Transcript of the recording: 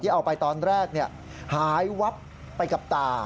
เอาไปตอนแรกหายวับไปกับตา